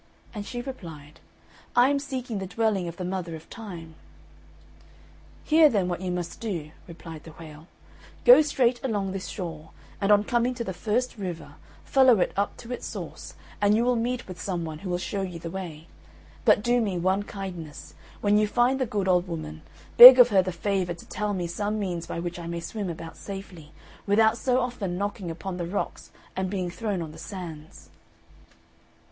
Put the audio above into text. And she replied, "I am seeking the dwelling of the Mother of Time." "Hear then what you must do," replied the whale; "go straight along this shore, and on coming to the first river, follow it up to its source, and you will meet with some one who will show you the way: but do me one kindness, when you find the good old woman, beg of her the favour to tell me some means by which I may swim about safely, without so often knocking upon the rocks and being thrown on the sands."